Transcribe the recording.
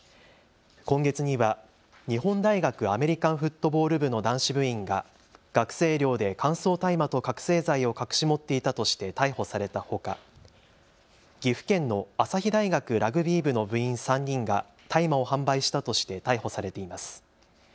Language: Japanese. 今月には日本大学アメリカンフットボール部の男子部員が学生寮で乾燥大麻と覚醒剤を隠し持っていたとして逮捕されたほか、岐阜県の朝日大学ラグビー部の部員３人が大麻を販売したとして逮捕されています。